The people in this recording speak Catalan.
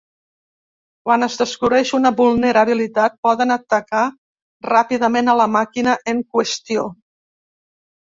Quan es descobreix una vulnerabilitat poden atacar ràpidament a la màquina en qüestió.